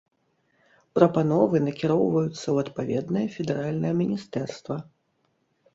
Прапановы накіроўваюцца ў адпаведнае федэральнае міністэрства.